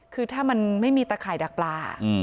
คือถ้ามันไม่มีตะข่ายดักปลา